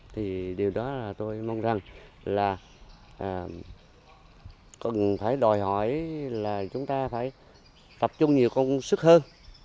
thì điều đó là tôi mong rằng là cần phải đòi hỏi là chúng ta phải tập trung nhiều công sức hơn